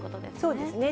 そうですね。